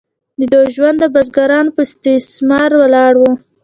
د دوی ژوند د بزګرانو په استثمار ولاړ و.